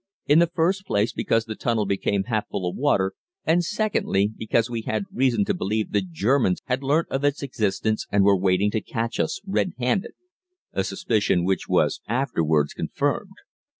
In the first place because the tunnel became half full of water, and secondly, because we had reason to believe the Germans had learnt of its existence and were waiting to catch us red handed a suspicion which was afterwards confirmed.